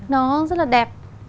nó rất là đẹp